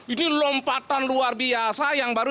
ini lompatan luar biasa yang baru